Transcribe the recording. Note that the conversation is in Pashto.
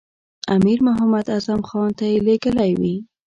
امیر محمد اعظم خان ته یې لېږلی وي.